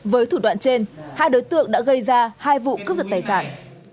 với thủ đoạn trên hai đối tượng đã gây ra hai vụ cướp giật tài sản